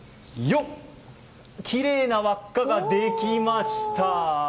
きれいな輪っかができました。